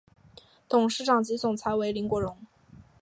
董事长及总裁为林国荣。